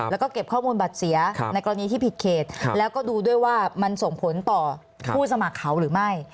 แล้วก็เก็บข้อมูลบัตรเสียในกรณีที่ผิดเขตแล้วก็ดูด้วยว่ามันส่งผลต่อผู้สมัครเขาหรือไม่